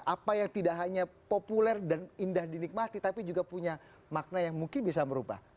apa yang tidak hanya populer dan indah dinikmati tapi juga punya makna yang mungkin bisa berubah